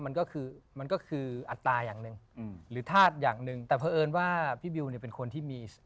มันก็คืออัตรายังหนึ่งหรือธาตุอย่างหนึ่งแต่เผอิญว่าพี่บิวเป็นคนที่มี